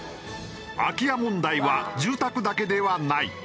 空き家問題は住宅だけではない。